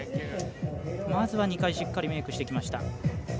まずは２回しっかりメークしてきました。